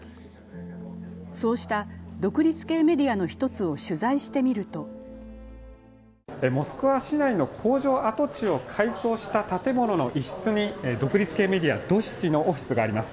そうした独立系メディアの１つを取材してみるとモスクワ市内の工場跡地を改装した建物の一室に独立系メディア、ドシチのオフィスがあります。